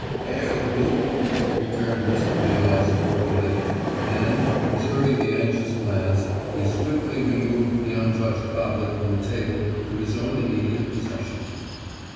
"Hail, gloom!" returned Mr. Vilas, cordially, and, observing the anxious glance, he swiftly removed the untouched goblet from the table to his own immediate possession.